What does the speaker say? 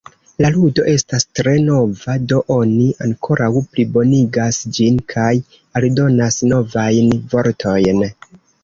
La ludo estas tre nova, do oni ankoraŭ plibonigas ĝin kaj aldonas novajn vortojn.